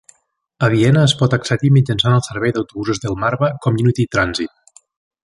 A Viena es pot accedir mitjançant el servei d"autobusos Delmarva Community Transit.